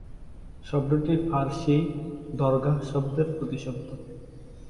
শব্দটি ফারসী দরগাহ শব্দের প্রতিশব্দ।